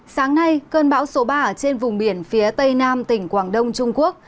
sáng nay cơn bão số ba ở trên vùng biển phía tây nam tỉnh quảng đông trung quốc